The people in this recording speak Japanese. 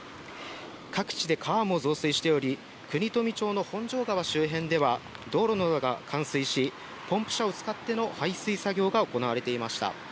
各地で川も増水しており、国富町の本庄川周辺では道路のが冠水し、ポンプ車を使っての排水作業が行われていました。